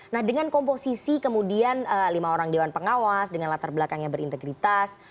nah dengan komposisi kemudian lima orang dewan pengawas dengan latar belakangnya berintegritas